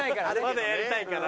まだやりたいから。